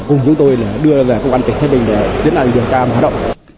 cùng chúng tôi đưa về công an tỉnh thái bình để tiến hành điều tra và hoạt động